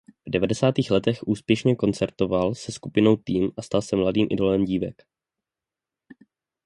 V devadesátých letech úspěšně koncertoval se skupinou Team a stal se mladým idolem dívek.